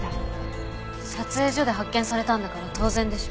撮影所で発見されたんだから当然でしょ。